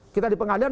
kita di pengadilan